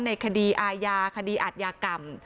ในคดีอาญาคดีอาทยากรรม